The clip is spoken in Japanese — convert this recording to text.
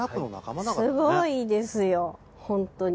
すごいですよホントに。